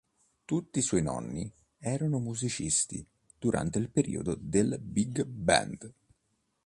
Tutti i suoi nonni erano musicisti durante il periodo del Big Band.